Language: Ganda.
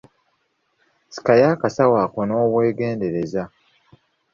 Sikayo akasawo ako n’obwegendereza.